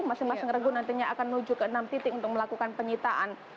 masing masing regu nantinya akan menuju ke enam titik untuk melakukan penyitaan